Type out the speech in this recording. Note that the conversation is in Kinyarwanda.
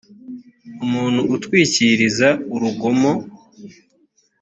umuntu utwikiriza urugomo